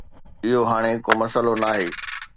اهو هاڻي ڪو مسئلو ناهي